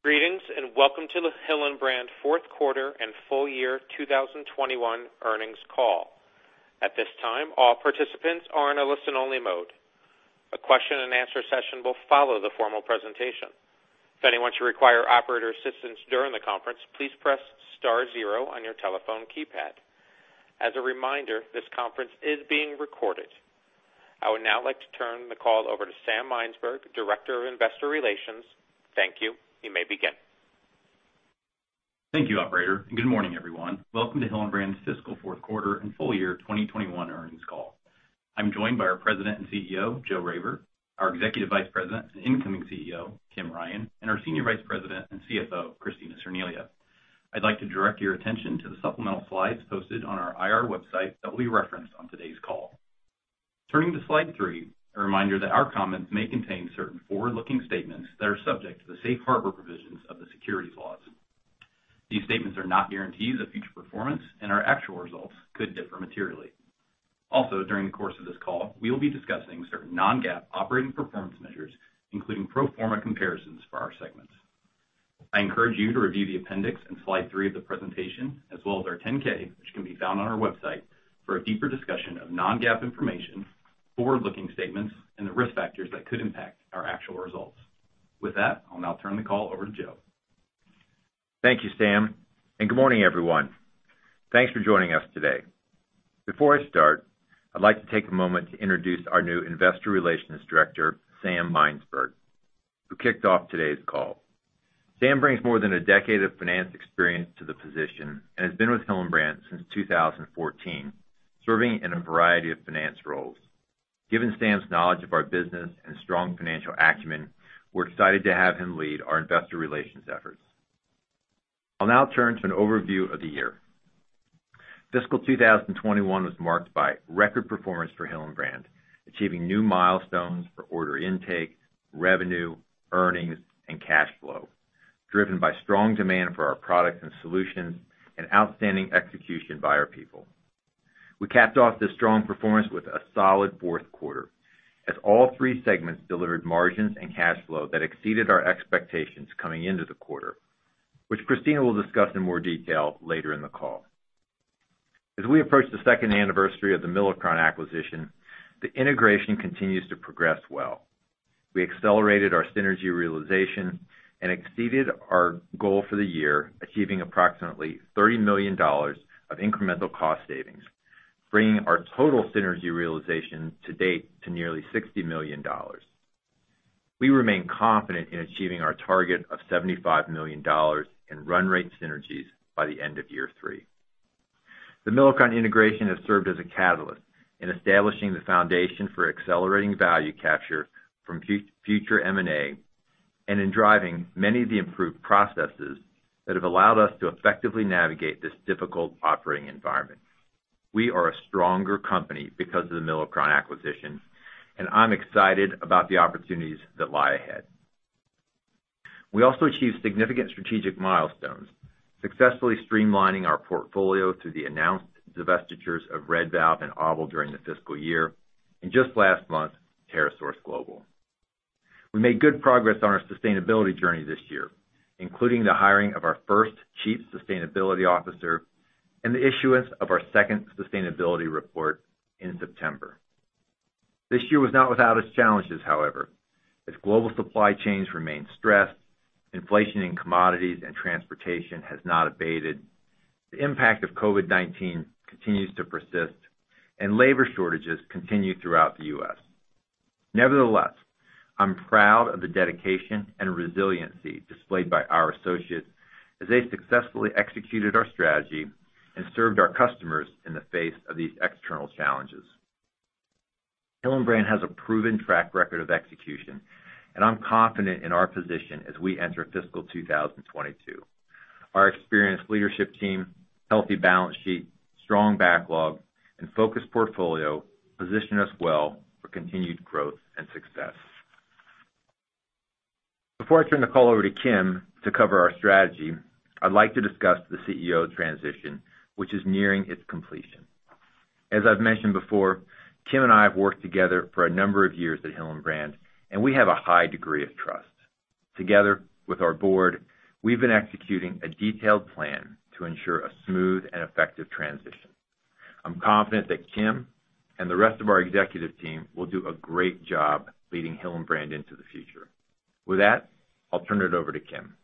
Greetings, and welcome to the Hillenbrand fourth quarter and full year 2021 earnings call. At this time, all participants are in a listen-only mode. A question-and-answer session will follow the formal presentation. If anyone should require operator assistance during the conference, please press star zero on your telephone keypad. As a reminder, this conference is being recorded. I would now like to turn the call over to Sam Mynsberge, Director of Investor Relations. Thank you. You may begin. Thank you, operator, and good morning, everyone. Welcome to Hillenbrand's fiscal fourth quarter and full year 2021 earnings call. I'm joined by our President and CEO, Joe Raver, our Executive Vice President and incoming CEO, Kim Ryan, and our Senior Vice President and CFO, Kristina Cerniglia. I'd like to direct your attention to the supplemental slides posted on our IR website that will be referenced on today's call. Turning to slide three, a reminder that our comments may contain certain forward-looking statements that are subject to the safe harbor provisions of the securities laws. These statements are not guarantees of future performance, and our actual results could differ materially. Also, during the course of this call, we will be discussing certain non-GAAP operating performance measures, including pro forma comparisons for our segments. I encourage you to review the appendix in slide three of the presentation as well as our 10-K, which can be found on our website, for a deeper discussion of non-GAAP information, forward-looking statements, and the risk factors that could impact our actual results. With that, I'll now turn the call over to Joe. Thank you, Sam, and good morning, everyone. Thanks for joining us today. Before I start, I'd like to take a moment to introduce our new Investor Relations Director, Sam Mynsberge, who kicked off today's call. Sam brings more than a decade of finance experience to the position and has been with Hillenbrand since 2014, serving in a variety of finance roles. Given Sam's knowledge of our business and strong financial acumen, we're excited to have him lead our investor relations efforts. I'll now turn to an overview of the year. Fiscal 2021 was marked by record performance for Hillenbrand, achieving new milestones for order intake, revenue, earnings, and cash flow, driven by strong demand for our products and solutions and outstanding execution by our people. We capped off this strong performance with a solid fourth quarter as all three segments delivered margins and cash flow that exceeded our expectations coming into the quarter, which Kristina will discuss in more detail later in the call. As we approach the second anniversary of the Milacron acquisition, the integration continues to progress well. We accelerated our synergy realization and exceeded our goal for the year, achieving approximately $30 million of incremental cost savings, bringing our total synergy realization to date to nearly $60 million. We remain confident in achieving our target of $75 million in run rate synergies by the end of year three. The Milacron integration has served as a catalyst in establishing the foundation for accelerating value capture from future M&A and in driving many of the improved processes that have allowed us to effectively navigate this difficult operating environment. We are a stronger company because of the Milacron acquisition, and I'm excited about the opportunities that lie ahead. We also achieved significant strategic milestones, successfully streamlining our portfolio through the announced divestitures of Red Valve and ABEL during the fiscal year, and just last month, TerraSource Global. We made good progress on our sustainability journey this year, including the hiring of our first Chief Sustainability Officer and the issuance of our second sustainability report in September. This year was not without its challenges, however, as global supply chains remain stressed, inflation in commodities and transportation has not abated, the impact of COVID-19 continues to persist, and labor shortages continue throughout the U.S. Nevertheless, I'm proud of the dedication and resiliency displayed by our associates as they successfully executed our strategy and served our customers in the face of these external challenges. Hillenbrand has a proven track record of execution, and I'm confident in our position as we enter fiscal 2022. Our experienced leadership team, healthy balance sheet, strong backlog, and focused portfolio position us well for continued growth and success. Before I turn the call over to Kim to cover our strategy, I'd like to discuss the CEO transition, which is nearing its completion. As I've mentioned before, Kim and I have worked together for a number of years at Hillenbrand, and we have a high degree of trust. Together with our board, we've been executing a detailed plan to ensure a smooth and effective transition. I'm confident that Kim and the rest of our executive team will do a great job leading Hillenbrand into the future. With that, I'll turn it over to Kim.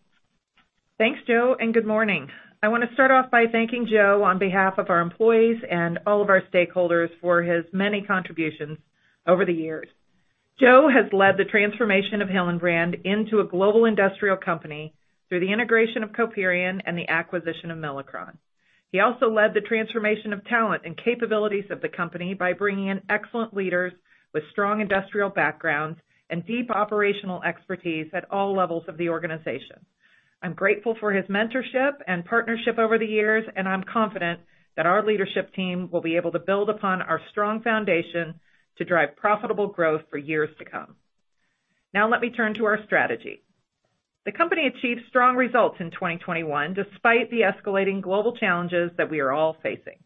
Thanks, Joe, and good morning. I want to start off by thanking Joe on behalf of our employees and all of our stakeholders for his many contributions over the years. Joe has led the transformation of Hillenbrand into a global industrial company through the integration of Coperion and the acquisition of Milacron. He also led the transformation of talent and capabilities of the company by bringing in excellent leaders with strong industrial backgrounds and deep operational expertise at all levels of the organization. I'm grateful for his mentorship and partnership over the years, and I'm confident that our leadership team will be able to build upon our strong foundation to drive profitable growth for years to come. Now let me turn to our strategy. The company achieved strong results in 2021, despite the escalating global challenges that we are all facing.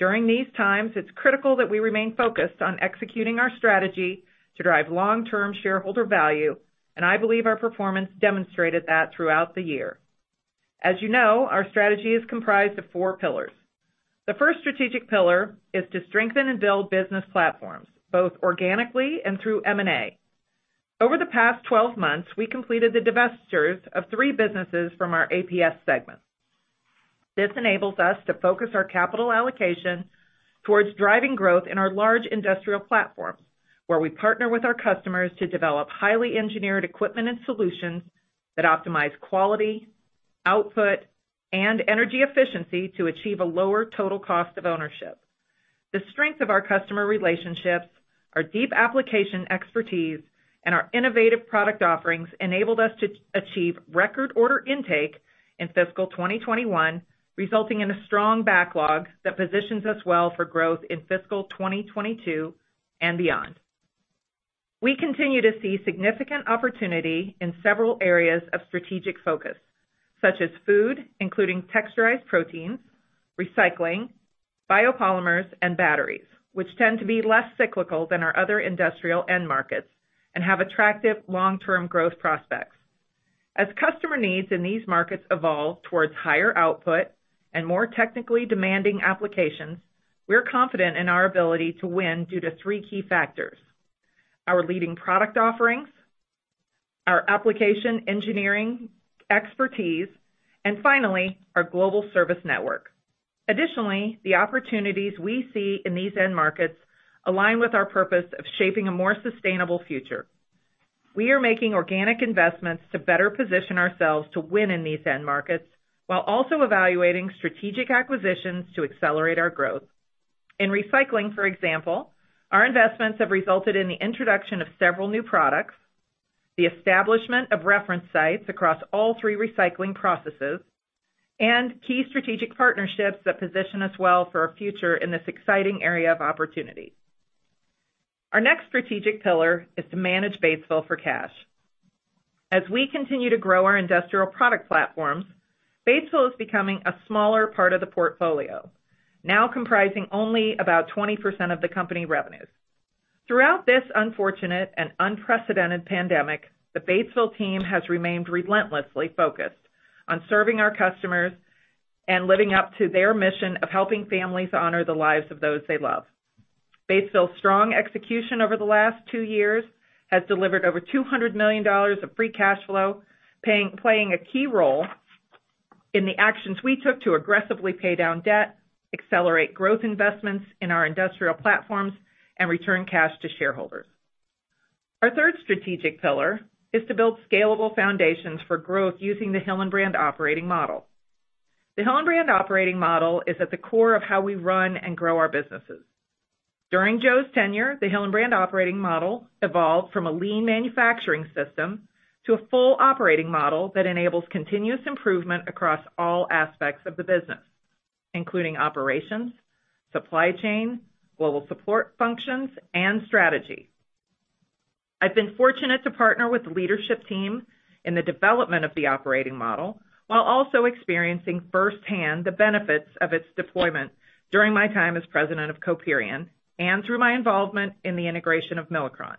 During these times, it's critical that we remain focused on executing our strategy to drive long-term shareholder value, and I believe our performance demonstrated that throughout the year. As you know, our strategy is comprised of four pillars. The first strategic pillar is to strengthen and build business platforms, both organically and through M&A. Over the past 12 months, we completed the divestitures of three businesses from our APS segment. This enables us to focus our capital allocation towards driving growth in our large industrial platforms, where we partner with our customers to develop highly engineered equipment and solutions that optimize quality, output, and energy efficiency to achieve a lower total cost of ownership. The strength of our customer relationships, our deep application expertise, and our innovative product offerings enabled us to achieve record order intake in fiscal 2021, resulting in a strong backlog that positions us well for growth in fiscal 2022 and beyond. We continue to see significant opportunity in several areas of strategic focus, such as food, including texturized proteins, recycling, biopolymers, and batteries, which tend to be less cyclical than our other industrial end markets and have attractive long-term growth prospects. As customer needs in these markets evolve towards higher output and more technically demanding applications, we're confident in our ability to win due to three key factors, our leading product offerings, our application engineering expertise, and finally, our global service network. Additionally, the opportunities we see in these end markets align with our purpose of shaping a more sustainable future. We are making organic investments to better position ourselves to win in these end markets while also evaluating strategic acquisitions to accelerate our growth. In recycling, for example, our investments have resulted in the introduction of several new products, the establishment of reference sites across all three recycling processes, and key strategic partnerships that position us well for our future in this exciting area of opportunity. Our next strategic pillar is to manage Batesville for cash. As we continue to grow our industrial product platforms, Batesville is becoming a smaller part of the portfolio, now comprising only about 20% of the company revenues. Throughout this unfortunate and unprecedented pandemic, the Batesville team has remained relentlessly focused on serving our customers and living up to their mission of helping families honor the lives of those they love. Batesville's strong execution over the last two years has delivered over $200 million of free cash flow, playing a key role in the actions we took to aggressively pay down debt, accelerate growth investments in our industrial platforms, and return cash to shareholders. Our third strategic pillar is to build scalable foundations for growth using the Hillenbrand Operating Model. The Hillenbrand Operating Model is at the core of how we run and grow our businesses. During Joe's tenure, the Hillenbrand Operating Model evolved from a lean manufacturing system to a full operating model that enables continuous improvement across all aspects of the business, including operations, supply chain, global support functions, and strategy. I've been fortunate to partner with the leadership team in the development of the operating model while also experiencing firsthand the benefits of its deployment during my time as President of Coperion and through my involvement in the integration of Milacron.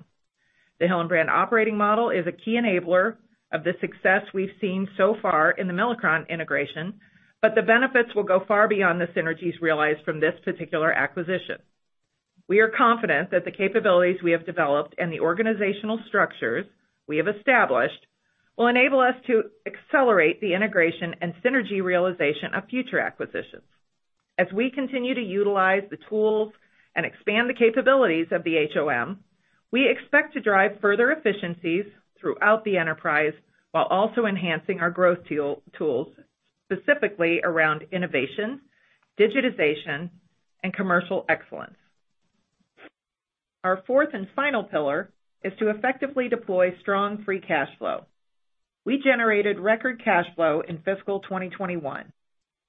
The Hillenbrand Operating Model is a key enabler of the success we've seen so far in the Milacron integration, but the benefits will go far beyond the synergies realized from this particular acquisition. We are confident that the capabilities we have developed and the organizational structures we have established will enable us to accelerate the integration and synergy realization of future acquisitions. As we continue to utilize the tools and expand the capabilities of the HOM, we expect to drive further efficiencies throughout the enterprise while also enhancing our growth tools, specifically around innovation, digitization, and commercial excellence. Our fourth and final pillar is to effectively deploy strong free cash flow. We generated record cash flow in fiscal 2021.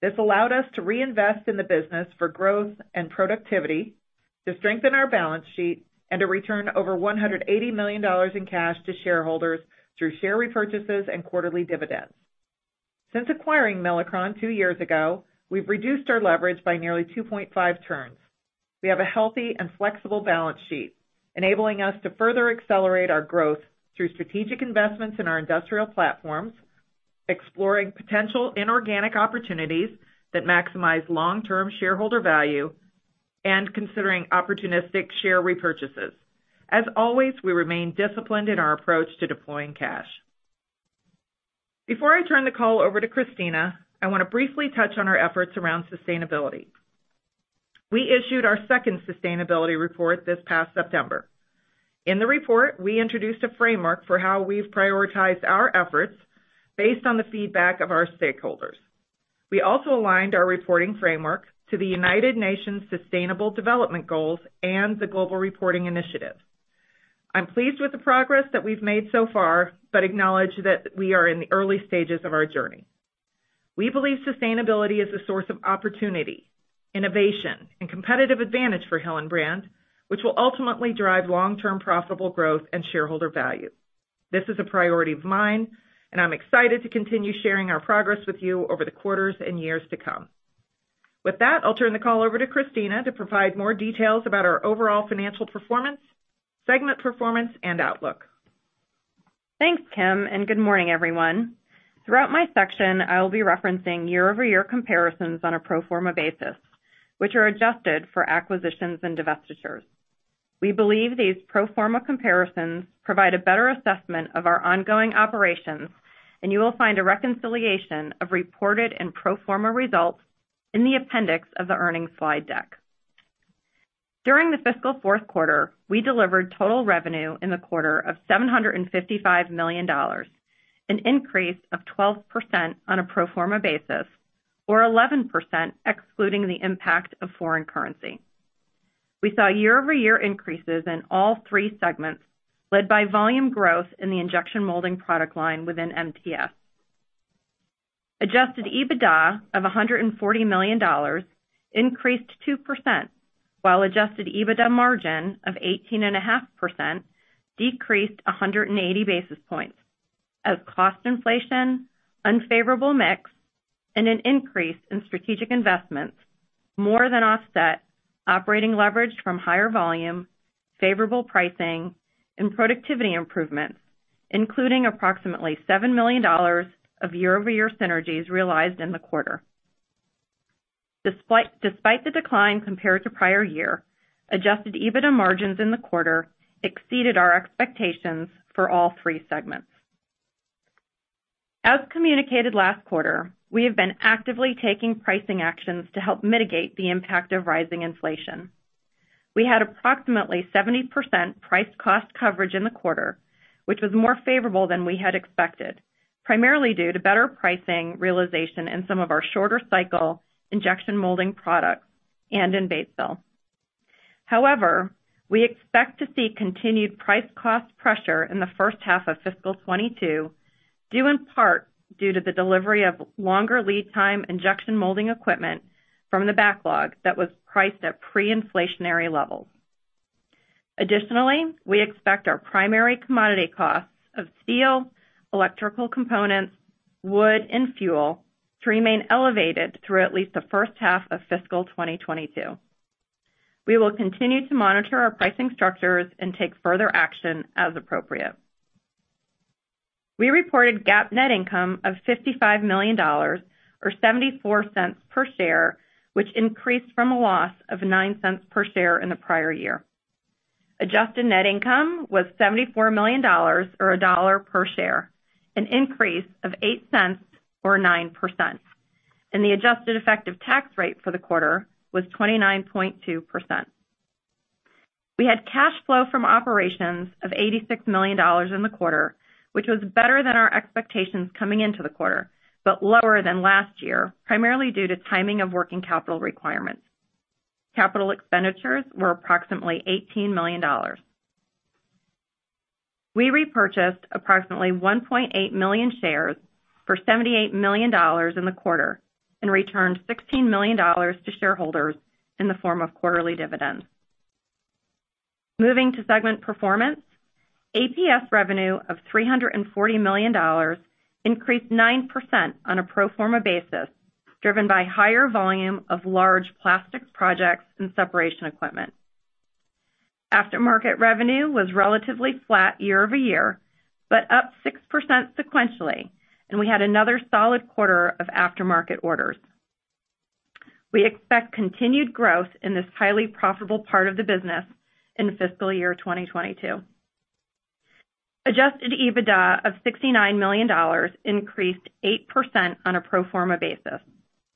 This allowed us to reinvest in the business for growth and productivity, to strengthen our balance sheet, and to return over $180 million in cash to shareholders through share repurchases and quarterly dividends. Since acquiring Milacron two years ago, we've reduced our leverage by nearly 2.5 turns. We have a healthy and flexible balance sheet, enabling us to further accelerate our growth through strategic investments in our industrial platforms, exploring potential inorganic opportunities that maximize long-term shareholder value, and considering opportunistic share repurchases. As always, we remain disciplined in our approach to deploying cash. Before I turn the call over to Kristina, I want to briefly touch on our efforts around sustainability. We issued our second sustainability report this past September. In the report, we introduced a framework for how we've prioritized our efforts based on the feedback of our stakeholders. We also aligned our reporting framework to the United Nations Sustainable Development Goals and the Global Reporting Initiative. I'm pleased with the progress that we've made so far, but acknowledge that we are in the early stages of our journey. We believe sustainability is a source of opportunity, innovation, and competitive advantage for Hillenbrand, which will ultimately drive long-term profitable growth and shareholder value. This is a priority of mine, and I'm excited to continue sharing our progress with you over the quarters and years to come. With that, I'll turn the call over to Kristina to provide more details about our overall financial performance, segment performance, and outlook. Thanks, Kim, and good morning, everyone. Throughout my section, I will be referencing year-over-year comparisons on a pro forma basis, which are adjusted for acquisitions and divestitures. We believe these pro forma comparisons provide a better assessment of our ongoing operations, and you will find a reconciliation of reported and pro forma results in the appendix of the earnings slide deck. During the fiscal fourth quarter, we delivered total revenue in the quarter of $755 million, an increase of 12% on a pro forma basis, or 11% excluding the impact of foreign currency. We saw year-over-year increases in all three segments, led by volume growth in the injection molding product line within MTS. Adjusted EBITDA of $140 million increased 2%, while adjusted EBITDA margin of 18.5% decreased 180 basis points. As cost inflation, unfavorable mix, and an increase in strategic investments more than offset operating leverage from higher volume, favorable pricing, and productivity improvements, including approximately $70 million of year-over-year synergies realized in the quarter. Despite the decline compared to prior year, adjusted EBITDA margins in the quarter exceeded our expectations for all three segments. As communicated last quarter, we have been actively taking pricing actions to help mitigate the impact of rising inflation. We had approximately 70% price cost coverage in the quarter, which was more favorable than we had expected, primarily due to better pricing realization in some of our shorter cycle injection molding products and in Batesville. However, we expect to see continued price cost pressure in the first half of fiscal 2022, due in part to the delivery of longer lead time injection molding equipment from the backlog that was priced at pre-inflationary levels. Additionally, we expect our primary commodity costs of steel, electrical components, wood, and fuel to remain elevated through at least the first half of fiscal 2022. We will continue to monitor our pricing structures and take further action as appropriate. We reported GAAP net income of $55 million or $0.74 per share, which increased from a loss of $0.09 per share in the prior year. Adjusted net income was $74 million or $1 per share, an increase of $0.08 or 9%. The adjusted effective tax rate for the quarter was 29.2%. We had cash flow from operations of $86 million in the quarter, which was better than our expectations coming into the quarter, but lower than last year, primarily due to timing of working capital requirements. Capital expenditures were approximately $18 million. We repurchased approximately 1.8 million shares for $78 million in the quarter and returned $16 million to shareholders in the form of quarterly dividends. Moving to segment performance. APS revenue of $340 million increased 9% on a pro forma basis, driven by higher volume of large plastics projects and separation equipment. Aftermarket revenue was relatively flat year-over-year, but up 6% sequentially, and we had another solid quarter of aftermarket orders. We expect continued growth in this highly profitable part of the business in fiscal year 2022. Adjusted EBITDA of $69 million increased 8% on a pro forma basis,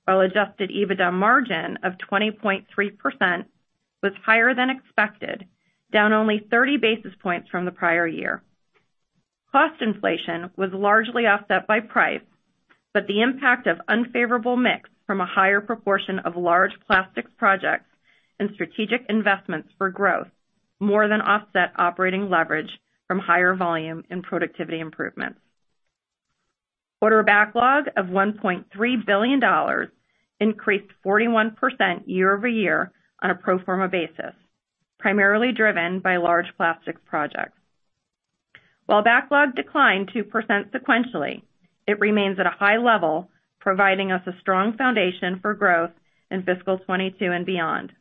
while adjusted EBITDA margin of 20.3% was higher than expected, down only 30 basis points from the prior year. Cost inflation was largely offset by price, but the impact of unfavorable mix from a higher proportion of large plastics projects and strategic investments for growth more than offset operating leverage from higher volume and productivity improvements. Order backlog of $1.3 billion increased 41% year-over-year on a pro forma basis, primarily driven by large plastics projects. While backlog declined 2% sequentially, it remains at a high level, providing us a strong foundation for growth in fiscal 2022 and beyond.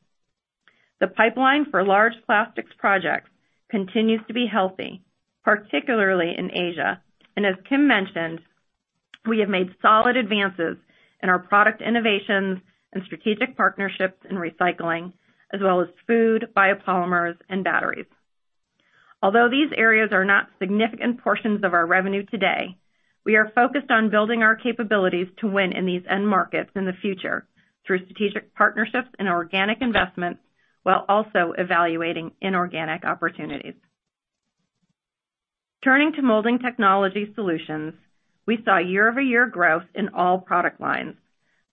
The pipeline for large plastics projects continues to be healthy, particularly in Asia. As Kim mentioned, we have made solid advances in our product innovations and strategic partnerships in recycling, as well as food, biopolymers, and batteries. Although these areas are not significant portions of our revenue today, we are focused on building our capabilities to win in these end markets in the future through strategic partnerships and organic investments while also evaluating inorganic opportunities. Turning to Molding Technology Solutions, we saw year-over-year growth in all product lines,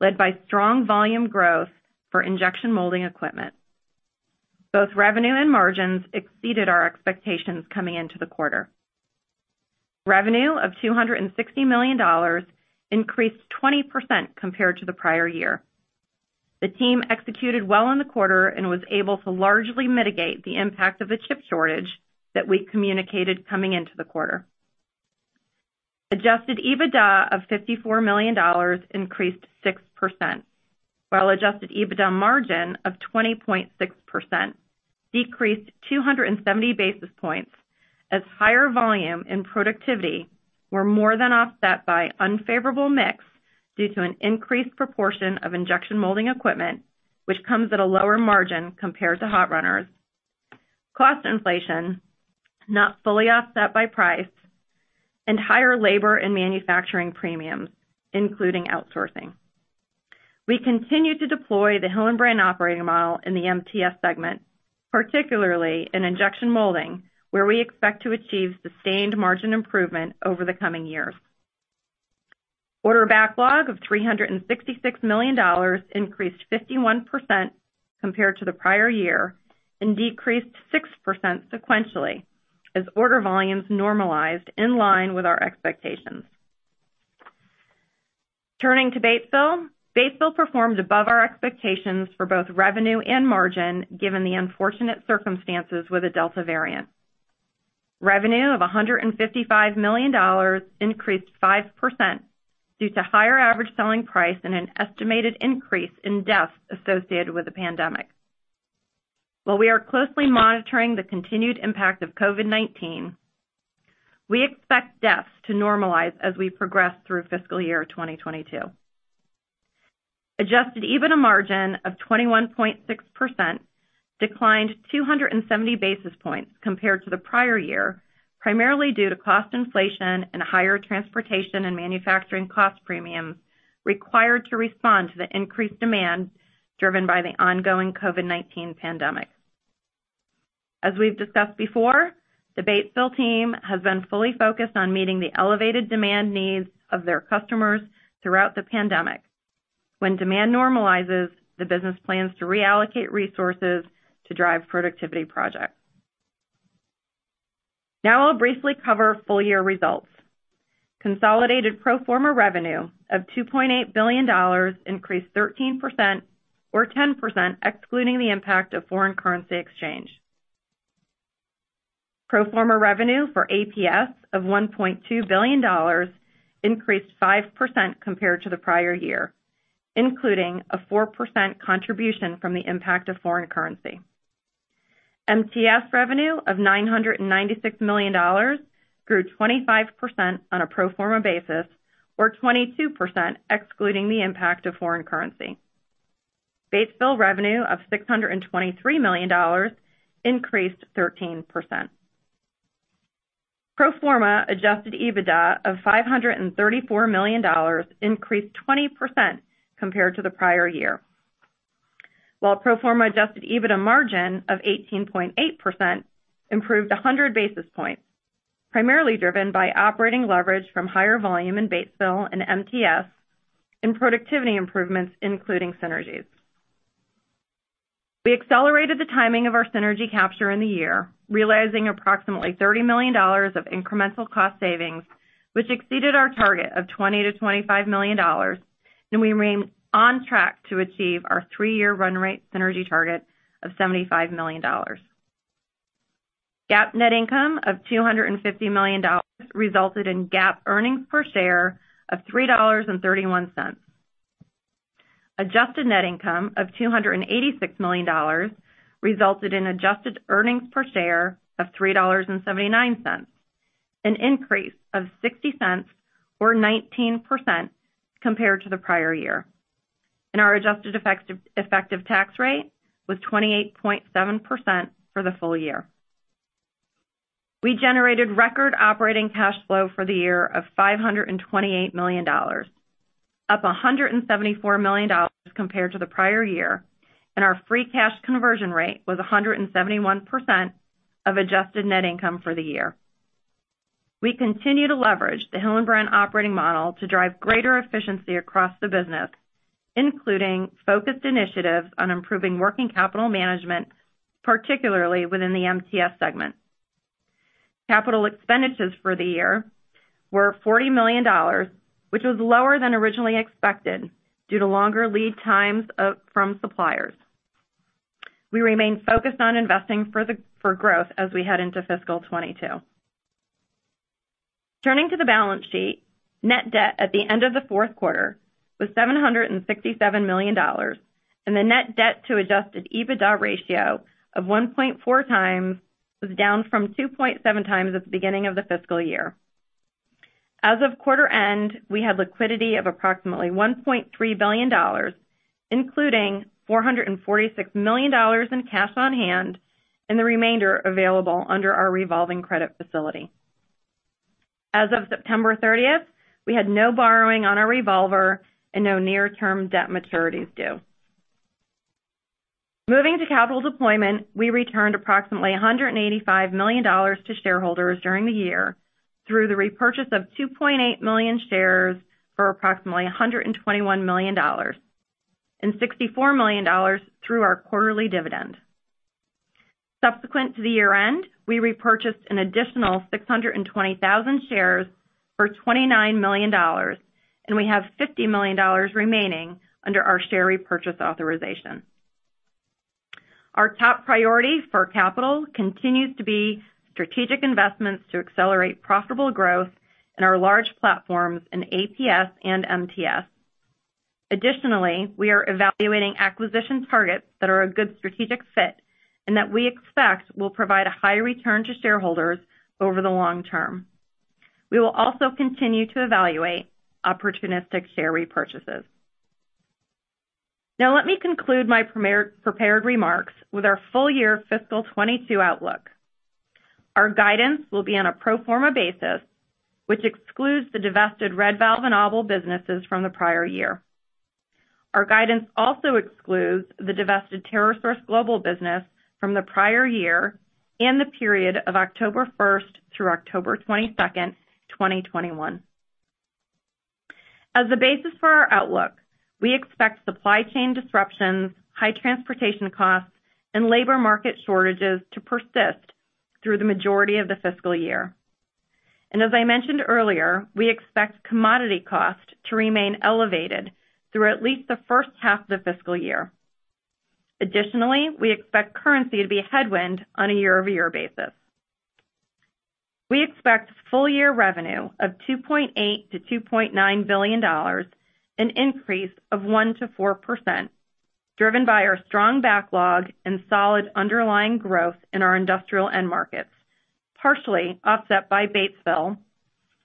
led by strong volume growth for injection molding equipment. Both revenue and margins exceeded our expectations coming into the quarter. Revenue of $260 million increased 20% compared to the prior year. The team executed well in the quarter and was able to largely mitigate the impact of the chip shortage that we communicated coming into the quarter. Adjusted EBITDA of $54 million increased 6%, while adjusted EBITDA margin of 20.6% decreased 270 basis points as higher volume and productivity were more than offset by unfavorable mix due to an increased proportion of injection molding equipment, which comes at a lower margin compared to hot runners, cost inflation not fully offset by price and higher labor and manufacturing premiums, including outsourcing. We continue to deploy the Hillenbrand Operating Model in the MTS segment, particularly in injection molding, where we expect to achieve sustained margin improvement over the coming years. Order backlog of $366 million increased 51% compared to the prior year and decreased 6% sequentially as order volumes normalized in line with our expectations. Turning to Batesville. Batesville performed above our expectations for both revenue and margin, given the unfortunate circumstances with the Delta variant. Revenue of $155 million increased 5% due to higher average selling price and an estimated increase in deaths associated with the pandemic. While we are closely monitoring the continued impact of COVID-19, we expect deaths to normalize as we progress through fiscal year 2022. Adjusted EBITDA margin of 21.6% declined 270 basis points compared to the prior year, primarily due to cost inflation and higher transportation and manufacturing cost premiums required to respond to the increased demand driven by the ongoing COVID-19 pandemic. As we've discussed before, the Batesville team has been fully focused on meeting the elevated demand needs of their customers throughout the pandemic. When demand normalizes, the business plans to reallocate resources to drive productivity projects. Now I'll briefly cover full year results. Consolidated pro forma revenue of $2.8 billion increased 13% or 10%, excluding the impact of foreign currency exchange. Pro forma revenue for APS of $1.2 billion increased 5% compared to the prior year, including a 4% contribution from the impact of foreign currency. MTS revenue of $996 million grew 25% on a pro forma basis, or 22% excluding the impact of foreign currency. Batesville revenue of $623 million increased 13%. Pro forma adjusted EBITDA of $534 million increased 20% compared to the prior year. While pro forma adjusted EBITDA margin of 18.8% improved 100 basis points, primarily driven by operating leverage from higher volume in Batesville and MTS and productivity improvements, including synergies. We accelerated the timing of our synergy capture in the year, realizing approximately $30 million of incremental cost savings, which exceeded our target of $20 million-$25 million, and we remain on track to achieve our three-year run rate synergy target of $75 million. GAAP net income of $250 million resulted in GAAP earnings per share of $3.31. Adjusted net income of $286 million resulted in adjusted earnings per share of $3.79, an increase of $0.60 Or 19% compared to the prior year. Our adjusted effective tax rate was 28.7% for the full year. We generated record operating cash flow for the year of $528 million, up $174 million compared to the prior year, and our free cash conversion rate was 171% of adjusted net income for the year. We continue to leverage the Hillenbrand Operating Model to drive greater efficiency across the business, including focused initiatives on improving working capital management, particularly within the MTS segment. Capital expenditures for the year were $40 million, which was lower than originally expected due to longer lead times from suppliers. We remain focused on investing for growth as we head into fiscal 2022. Turning to the balance sheet. Net debt at the end of the fourth quarter was $767 million, and the net debt to adjusted EBITDA ratio of 1.4x was down from 2.7x at the beginning of the fiscal year. As of quarter end, we had liquidity of approximately $1.3 billion, including $446 million in cash on hand and the remainder available under our revolving credit facility. As of September 30, we had no borrowing on our revolver and no near-term debt maturities due. Moving to capital deployment, we returned approximately $185 million to shareholders during the year through the repurchase of 2.8 million shares for approximately $121 million and $64 million through our quarterly dividend. Subsequent to the year-end, we repurchased an additional 620,000 shares for $29 million, and we have $50 million remaining under our share repurchase authorization. Our top priority for capital continues to be strategic investments to accelerate profitable growth in our large platforms in APS and MTS. Additionally, we are evaluating acquisition targets that are a good strategic fit and that we expect will provide a high return to shareholders over the long term. We will also continue to evaluate opportunistic share repurchases. Now let me conclude my prepared remarks with our full-year fiscal 2022 outlook. Our guidance will be on a pro forma basis, which excludes the divested Red Valve and ABEL businesses from the prior year. Our guidance also excludes the divested TerraSource Global business from the prior year and the period of October 1st through October 22nd, 2021. As the basis for our outlook, we expect supply chain disruptions, high transportation costs, and labor market shortages to persist through the majority of the fiscal year. as I mentioned earlier, we expect commodity costs to remain elevated through at least the first half of the fiscal year. Additionally, we expect currency to be a headwind on a year-over-year basis. We expect full-year revenue of $2.8 billion-$2.9 billion, an increase of 1%-4%, driven by our strong backlog and solid underlying growth in our industrial end markets, partially offset by Batesville,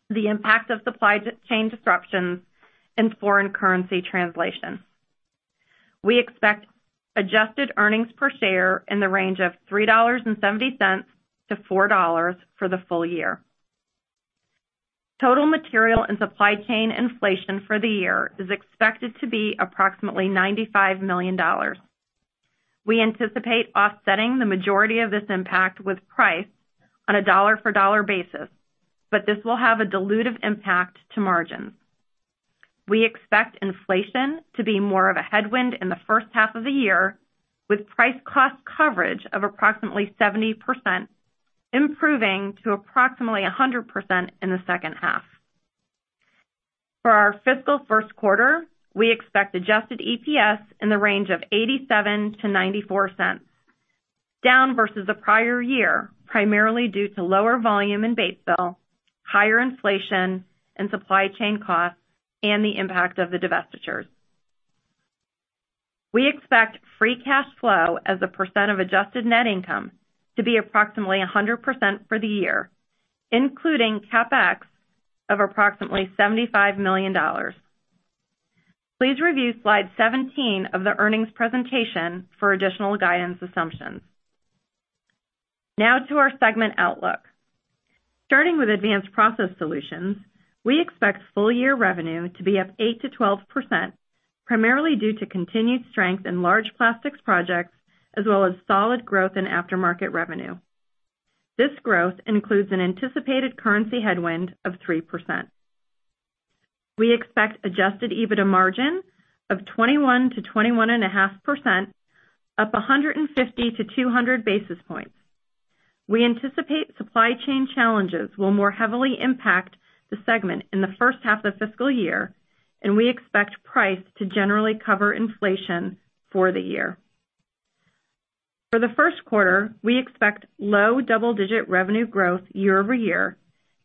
the impact of supply chain disruptions and foreign currency translation. We expect adjusted earnings per share in the range of $3.70-$4.00 for the full year. Total material and supply chain inflation for the year is expected to be approximately $95 million. We anticipate offsetting the majority of this impact with price on a dollar-for-dollar basis, but this will have a dilutive impact to margins. We expect inflation to be more of a headwind in the first half of the year, with price cost coverage of approximately 70%, improving to approximately 100% in the second half. For our fiscal first quarter, we expect adjusted EPS in the range of $0.87-$0.94, down versus the prior year, primarily due to lower volume in Batesville, higher inflation and supply chain costs, and the impact of the divestitures. We expect free cash flow as a percent of adjusted net income to be approximately 100% for the year, including CapEx of approximately $75 million. Please review slide 17 of the earnings presentation for additional guidance assumptions. Now to our segment outlook. Starting with Advanced Process Solutions, we expect full-year revenue to be up 8%-12%, primarily due to continued strength in large plastics projects, as well as solid growth in aftermarket revenue. This growth includes an anticipated currency headwind of 3%. We expect adjusted EBITDA margin of 21%-21.5%, up 150-200 basis points. We anticipate supply chain challenges will more heavily impact the segment in the first half of the fiscal year, and we expect price to generally cover inflation for the year. For the first quarter, we expect low double-digit revenue growth year-over-year,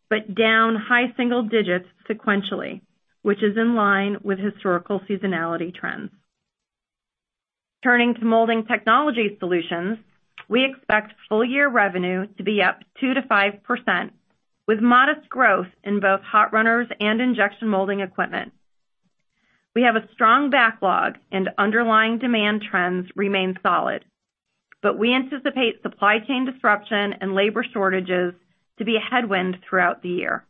but down high single digits sequentially, which is in line with historical seasonality trends. Turning to Molding Technology Solutions, we expect full-year revenue to be up 2%-5%, with modest growth in both hot runners and injection molding equipment. We have a strong backlog and underlying demand trends remain solid, but we anticipate supply chain disruption and labor shortages to be a headwind throughout the year.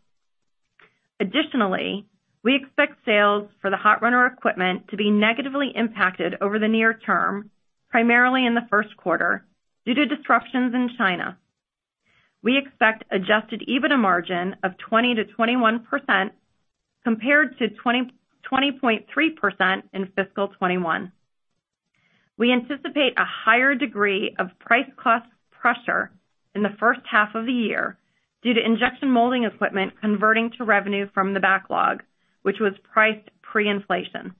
Additionally, we expect sales for the hot runner equipment to be negatively impacted over the near term, primarily in the first quarter, due to disruptions in China. We expect adjusted EBITDA margin of 20%-21% compared to 20.3% in fiscal 2021. We anticipate a higher degree of price cost pressure in the first half of the year due to injection molding equipment converting to revenue from the backlog, which was priced pre-inflation.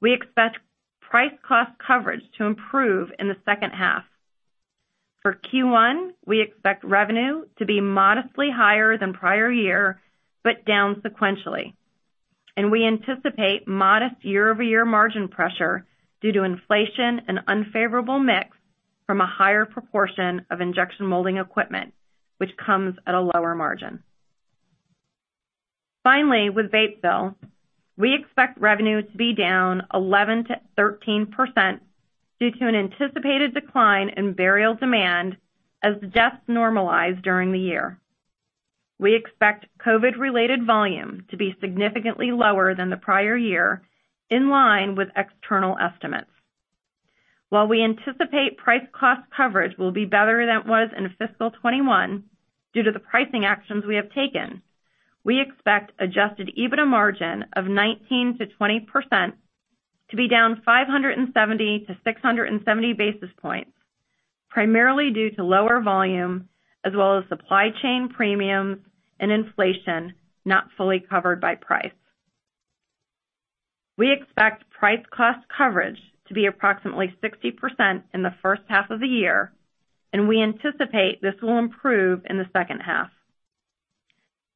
We expect price cost coverage to improve in the second half. For Q1, we expect revenue to be modestly higher than prior year, but down sequentially, and we anticipate modest year-over-year margin pressure due to inflation and unfavorable mix from a higher proportion of injection molding equipment, which comes at a lower margin. Finally, with Batesville, we expect revenue to be down 11%-13% due to an anticipated decline in burial demand as deaths normalize during the year. We expect COVID-related volume to be significantly lower than the prior year, in line with external estimates. While we anticipate price cost coverage will be better than it was in fiscal 2021 due to the pricing actions we have taken, we expect adjusted EBITDA margin of 19%-20% to be down 570-670 basis points, primarily due to lower volume as well as supply chain premiums and inflation not fully covered by price. We expect price cost coverage to be approximately 60% in the first half of the year, and we anticipate this will improve in the second half.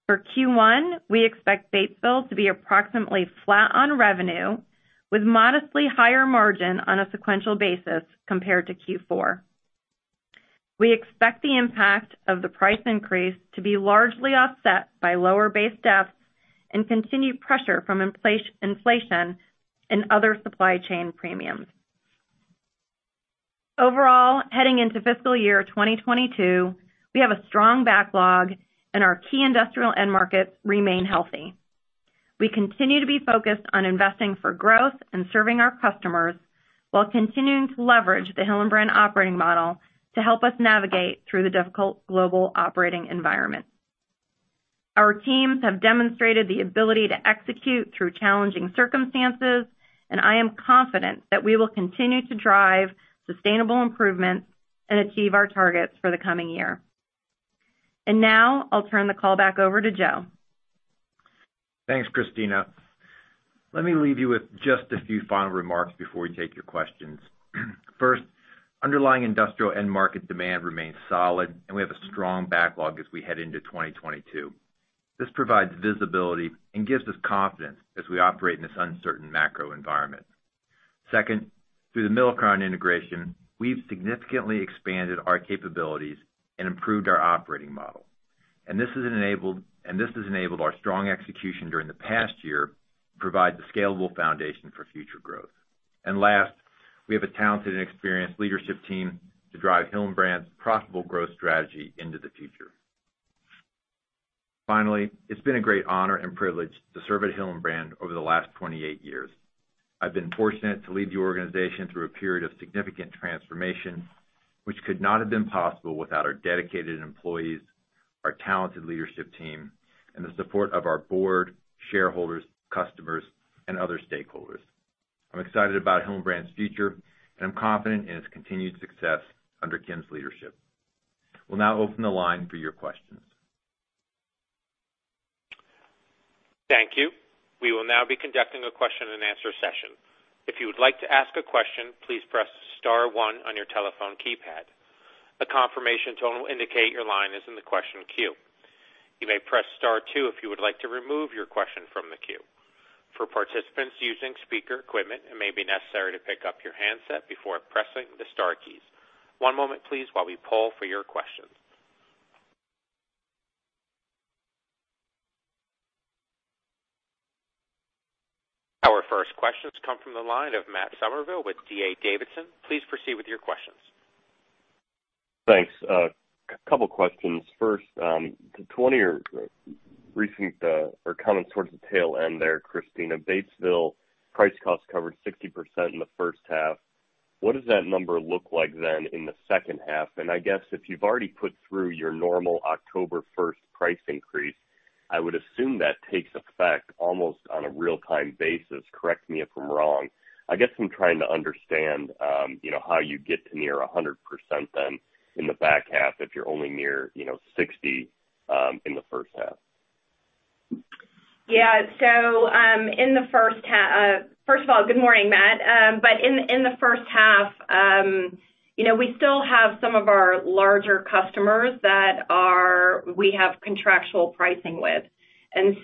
For Q1, we expect Batesville to be approximately flat on revenue with modestly higher margin on a sequential basis compared to Q4. We expect the impact of the price increase to be largely offset by lower base deaths and continued pressure from inflation and other supply chain premiums. Overall, heading into fiscal year 2022, we have a strong backlog and our key industrial end markets remain healthy. We continue to be focused on investing for growth and serving our customers while continuing to leverage the Hillenbrand Operating Model to help us navigate through the difficult global operating environment. Our teams have demonstrated the ability to execute through challenging circumstances, and I am confident that we will continue to drive sustainable improvements and achieve our targets for the coming year. Now I'll turn the call back over to Joe. Thanks, Kristina. Let me leave you with just a few final remarks before we take your questions. First, underlying industrial end market demand remains solid, and we have a strong backlog as we head into 2022. This provides visibility and gives us confidence as we operate in this uncertain macro environment. Second, through the Milacron integration, we've significantly expanded our capabilities and improved our operating model. This has enabled our strong execution during the past year to provide the scalable foundation for future growth. Last, we have a talented and experienced leadership team to drive Hillenbrand's profitable growth strategy into the future. Finally, it's been a great honor and privilege to serve at Hillenbrand over the last 28 years. I've been fortunate to lead the organization through a period of significant transformation, which could not have been possible without our dedicated employees, our talented leadership team, and the support of our board, shareholders, customers, and other stakeholders. I'm excited about Hillenbrand's future, and I'm confident in its continued success under Kim's leadership. We'll now open the line for your questions. Thank you. We will now be conducting a question and answer session. If you would like to ask a question, please press star one on your telephone keypad. A confirmation tone will indicate your line is in the question queue. You may press star two if you would like to remove your question from the queue. For participants using speaker equipment, it may be necessary to pick up your handset before pressing the star keys. One moment please while we poll for your questions. Our first questions come from the line of Matt Summerville with D.A. Davidson. Please proceed with your questions. Thanks. A couple questions. First, 2020 or recent, or coming towards the tail end there, Kristina, Batesville price cost covered 60% in the first half. What does that number look like then in the second half? I guess if you've already put through your normal October 1st price increase, I would assume that takes effect almost on a real-time basis. Correct me if I'm wrong. I guess I'm trying to understand, you know, how you get to near 100% then in the back half if you're only near, you know, 60%, in the first half. First of all, good morning, Matt. But in the first half, you know, we still have some of our larger customers that we have contractual pricing with. As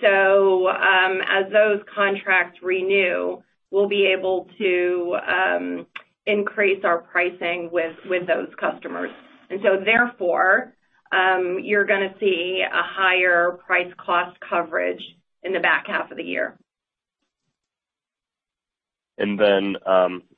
those contracts renew, we'll be able to increase our pricing with those customers. Therefore, you're gonna see a higher price cost coverage in the back half of the year. I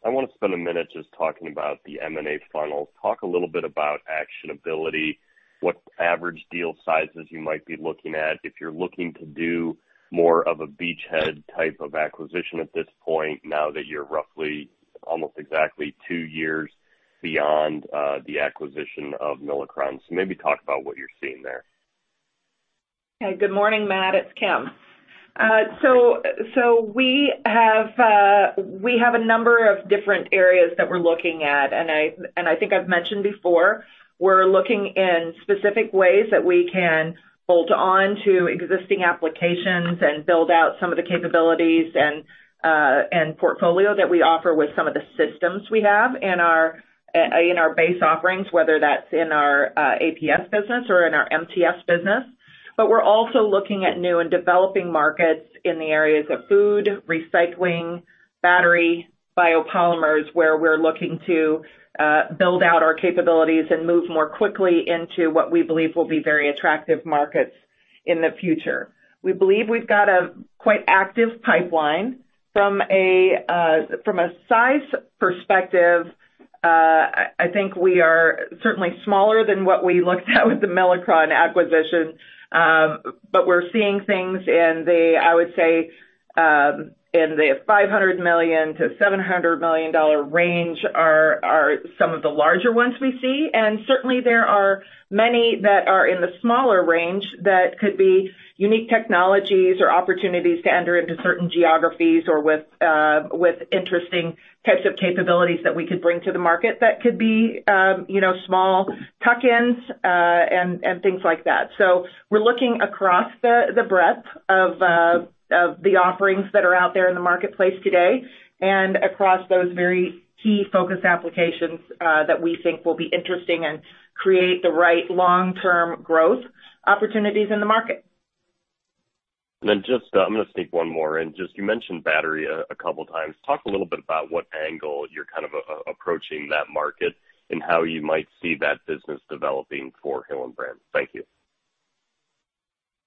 wanna spend a minute just talking about the M&A funnel. Talk a little bit about actionability, what average deal sizes you might be looking at, if you're looking to do more of a beachhead type of acquisition at this point now that you're roughly almost exactly two years beyond the acquisition of Milacron. Maybe talk about what you're seeing there. Good morning, Matt. It's Kim. We have a number of different areas that we're looking at, and I think I've mentioned before, we're looking in specific ways that we can bolt on to existing applications and build out some of the capabilities and portfolio that we offer with some of the systems we have in our base offerings, whether that's in our APS business or in our MTS business. We're also looking at new and developing markets in the areas of food, recycling, battery, biopolymers, where we're looking to build out our capabilities and move more quickly into what we believe will be very attractive markets in the future. We believe we've got a quite active pipeline. From a size perspective, I think we are certainly smaller than what we looked at with the Milacron acquisition. We're seeing things in the, I would say, in the $500 million-$700 million range are some of the larger ones we see. Certainly, there are many that are in the smaller range that could be unique technologies or opportunities to enter into certain geographies or with interesting types of capabilities that we could bring to the market that could be, you know, small tuck-ins, and things like that. We're looking across the breadth of the offerings that are out there in the marketplace today and across those very key focus applications that we think will be interesting and create the right long-term growth opportunities in the market. I'm gonna sneak one more in. Just you mentioned batteries a couple times. Talk a little bit about what angle you're kind of approaching that market and how you might see that business developing for Hillenbrand. Thank you.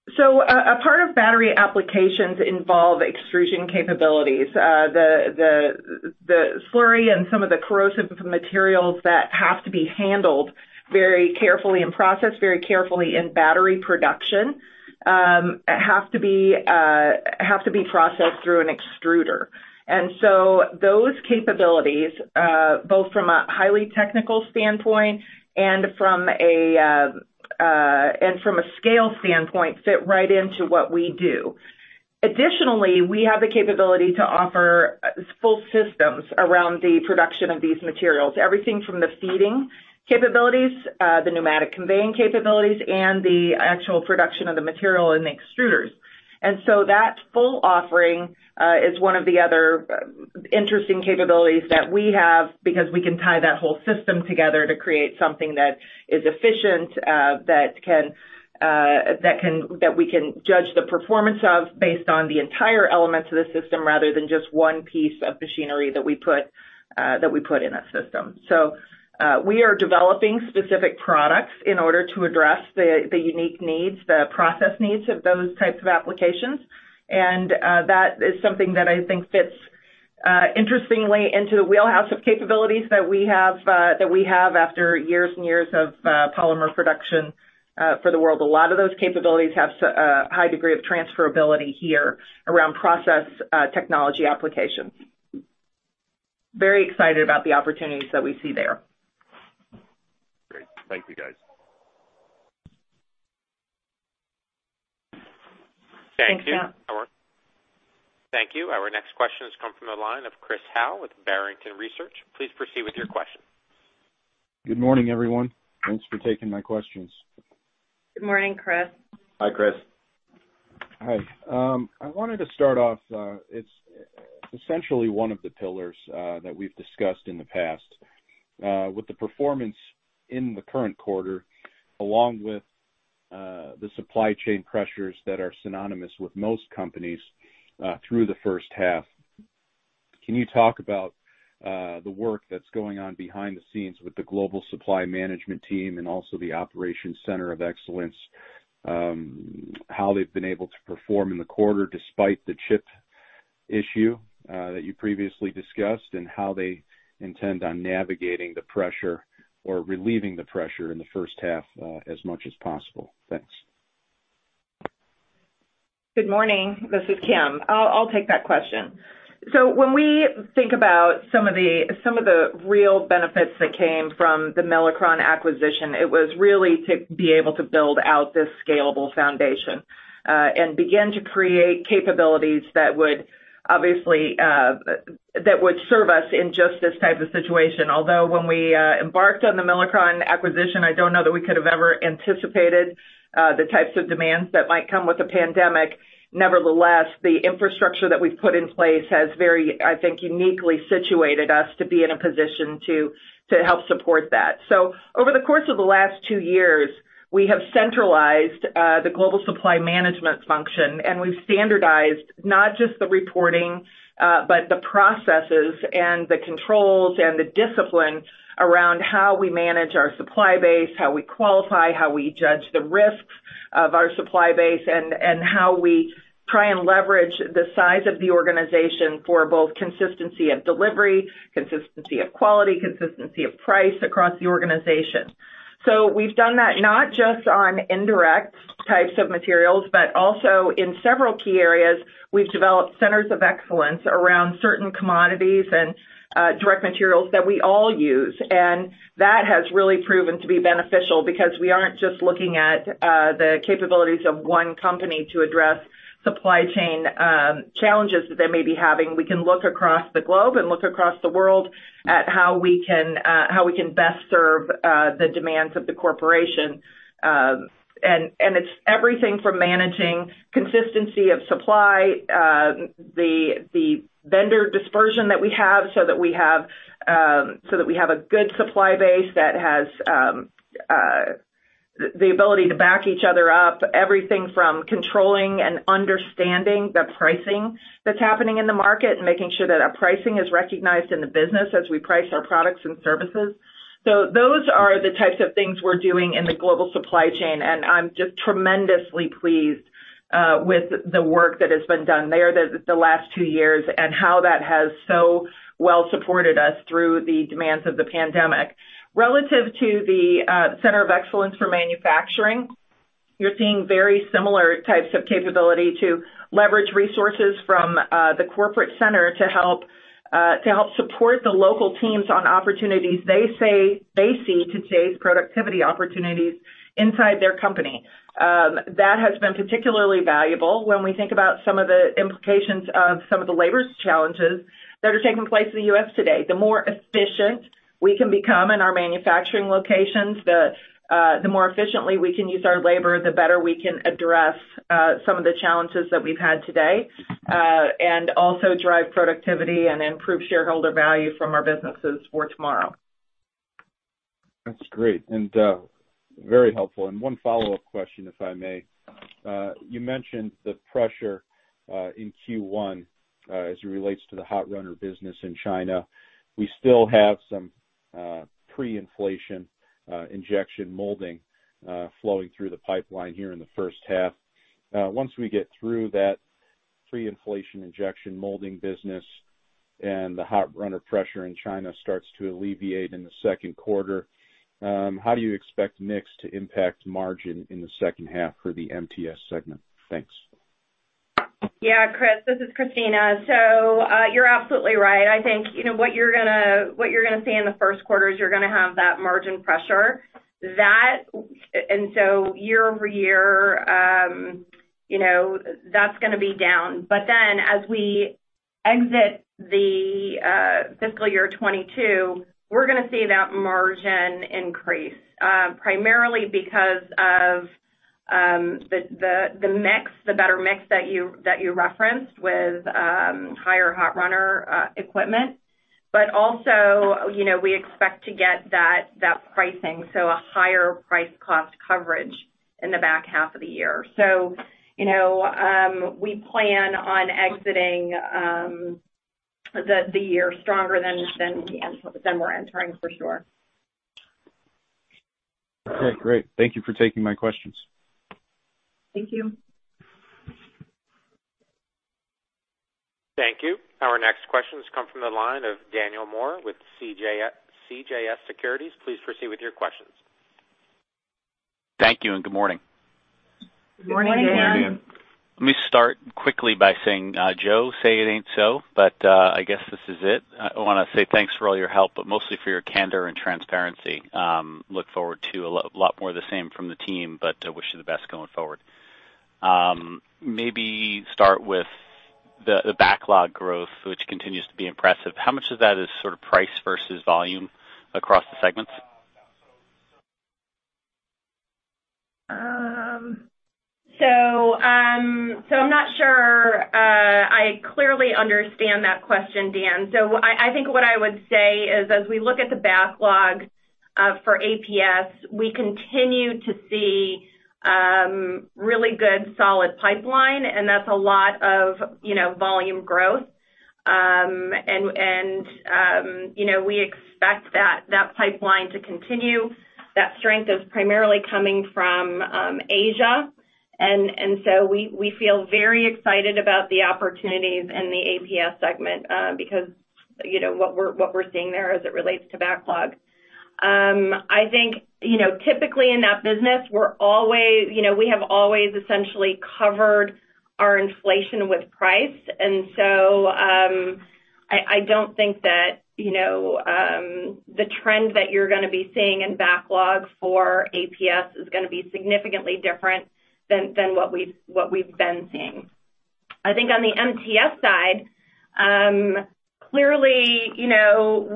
A part of battery applications involve extrusion capabilities. The slurry and some of the corrosive materials that have to be handled very carefully and processed very carefully in battery production have to be processed through an extruder. Those capabilities, both from a highly technical standpoint and from a scale standpoint, fit right into what we do. Additionally, we have the capability to offer full systems around the production of these materials, everything from the feeding capabilities, the pneumatic conveying capabilities, and the actual production of the material in the extruders. That full offering is one of the other interesting capabilities that we have because we can tie that whole system together to create something that is efficient, that we can judge the performance of based on the entire elements of the system, rather than just one piece of machinery that we put in that system. We are developing specific products in order to address the unique needs, the process needs of those types of applications. That is something that I think fits interestingly into the wheelhouse of capabilities that we have after years and years of polymer production for the world. A lot of those capabilities have a high degree of transferability here around process technology applications. Very excited about the opportunities that we see there. Great. Thank you, guys. Thanks, Matt. Thank you. Our next question has come from the line of Chris Howe with Barrington Research. Please proceed with your question. Good morning, everyone. Thanks for taking my questions. Good morning, Chris. Hi, Chris. Hi. I wanted to start off, it's essentially one of the pillars that we've discussed in the past, with the performance in the current quarter, along with the supply chain pressures that are synonymous with most companies through the first half. Can you talk about the work that's going on behind the scenes with the global supply management team and also the operations center of excellence, how they've been able to perform in the quarter despite the chip issue that you previously discussed, and how they intend on navigating the pressure or relieving the pressure in the first half as much as possible? Thanks. Good morning. This is Kim. I'll take that question. When we think about some of the real benefits that came from the Milacron acquisition, it was really to be able to build out this scalable foundation and begin to create capabilities that would obviously that would serve us in just this type of situation. Although when we embarked on the Milacron acquisition, I don't know that we could have ever anticipated the types of demands that might come with a pandemic. Nevertheless, the infrastructure that we've put in place has very, I think, uniquely situated us to be in a position to help support that. Over the course of the last two years, we have centralized the global supply management function, and we've standardized not just the reporting, but the processes and the controls and the discipline around how we manage our supply base, how we qualify, how we judge the risks of our supply base, and how we try and leverage the size of the organization for both consistency of delivery, consistency of quality, consistency of price across the organization. We've done that not just on indirect types of materials, but also in several key areas, we've developed centers of excellence around certain commodities and direct materials that we all use. That has really proven to be beneficial because we aren't just looking at the capabilities of one company to address supply chain challenges that they may be having. We can look across the globe and look across the world at how we can best serve the demands of the corporation. It's everything from managing consistency of supply, the vendor dispersion that we have so that we have a good supply base that has the ability to back each other up. Everything from controlling and understanding the pricing that's happening in the market and making sure that our pricing is recognized in the business as we price our products and services. Those are the types of things we're doing in the global supply chain, and I'm just tremendously pleased. With the work that has been done there the last two years and how that has so well supported us through the demands of the pandemic. Relative to the center of excellence for manufacturing, you're seeing very similar types of capability to leverage resources from the corporate center to help support the local teams on opportunities they say they see to chase productivity opportunities inside their company. That has been particularly valuable when we think about some of the implications of some of the labor challenges that are taking place in the U.S. today. The more efficient we can become in our manufacturing locations, the more efficiently we can use our labor, the better we can address some of the challenges that we've had today and also drive productivity and improve shareholder value from our businesses for tomorrow. That's great and very helpful. One follow-up question, if I may. You mentioned the pressure in Q1 as it relates to the hot runners business in China. We still have some pre-inflation injection molding flowing through the pipeline here in the first half. Once we get through that pre-inflation injection molding business and the hot runners pressure in China starts to alleviate in the second quarter, how do you expect mix to impact margin in the second half for the MTS segment? Thanks. Yeah. Chris, this is Kristina. You're absolutely right. I think, you know, what you're gonna see in the first quarter is you're gonna have that margin pressure. Year-over-year, you know, that's gonna be down. But then as we exit the fiscal year 2022, we're gonna see that margin increase, primarily because of the better mix that you referenced with higher hot runners equipment. But also, you know, we expect to get that pricing, so a higher price cost coverage in the back half of the year. You know, we plan on exiting the year stronger than we're entering for sure. Okay, great. Thank you for taking my questions. Thank you. Thank you. Our next questions come from the line of Daniel Moore with CJS Securities. Please proceed with your questions. Thank you and good morning. Good morning, Dan. Let me start quickly by saying, Joe, say it ain't so, but I guess this is it. I wanna say thanks for all your help, but mostly for your candor and transparency. Look forward to a lot more of the same from the team, but I wish you the best going forward. Maybe start with the backlog growth, which continues to be impressive. How much of that is sort of price versus volume across the segments? I'm not sure I clearly understand that question, Dan. I think what I would say is, as we look at the backlog for APS, we continue to see really good solid pipeline, and that's a lot of you know volume growth. We expect that pipeline to continue. That strength is primarily coming from Asia. We feel very excited about the opportunities in the APS segment because you know what we're seeing there as it relates to backlog. I think you know typically in that business, we have always essentially covered our inflation with price. I don't think that, you know, the trend that you're gonna be seeing in backlog for APS is gonna be significantly different than what we've been seeing. I think on the MTS side, clearly, you know,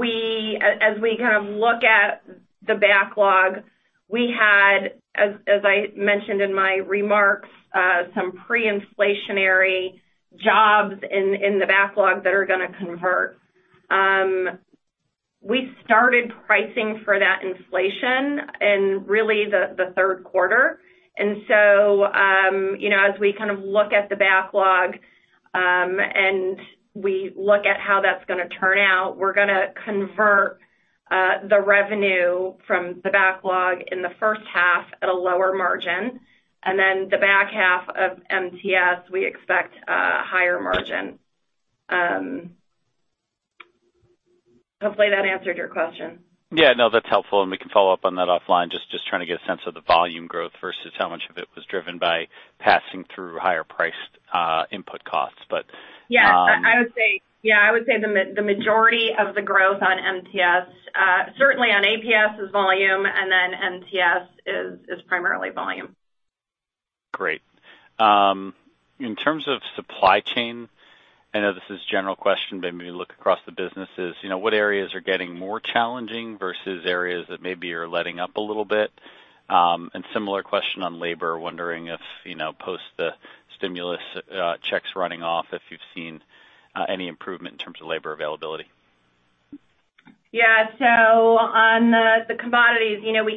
as we kind of look at the backlog we had, as I mentioned in my remarks, some pre-inflationary jobs in the backlog that are gonna convert. We started pricing for that inflation in really the third quarter. You know, as we kind of look at the backlog, and we look at how that's gonna turn out, we're gonna convert the revenue from the backlog in the first half at a lower margin. Then the back half of MTS, we expect a higher margin. Hopefully, that answered your question. Yeah. No, that's helpful, and we can follow up on that offline. Just trying to get a sense of the volume growth versus how much of it was driven by passing through higher priced input costs, but. Yeah, I would say the majority of the growth on MTS, certainly on APS, is volume, and then MTS is primarily volume. Great. In terms of supply chain, I know this is a general question, but maybe look across the businesses. You know, what areas are getting more challenging versus areas that maybe are letting up a little bit? Similar question on labor. Wondering if, you know, post the stimulus, checks running off, if you've seen, any improvement in terms of labor availability. Yeah. On the commodities, you know,